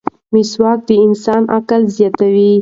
مسواک د انسان عقل زیاتوي.